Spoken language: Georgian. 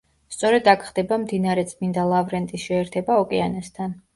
სწორედ აქ ხდება მდინარე წმინდა ლავრენტის შეერთება ოკეანესთან.